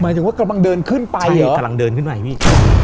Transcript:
หมายถึงว่ากำลังเดินขึ้นไปเหรอใช่กำลังเดินขึ้นไปพี่